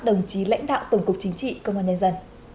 đồng chí lãnh đạo tổng cục chính trị công an nhân dân